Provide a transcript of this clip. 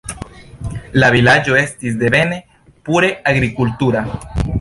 La vilaĝo estis devene pure agrikultura.